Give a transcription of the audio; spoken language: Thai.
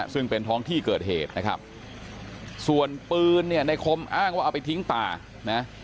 ซึ่งเป็นท้องที่เกิดเหตุนะครับส่วนปืนเนี่ยในคมอ้างว่าเอาไปทิ้งป่านะ